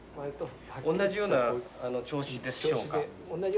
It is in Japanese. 同じような調子でしょうか？